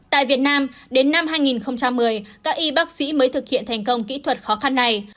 tại việt nam đến năm hai nghìn một mươi các y bác sĩ mới thực hiện thành công kỹ thuật khó khăn này